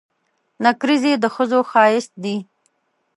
نکریزي د ښځو ښایست دي.